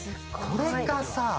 これがさ。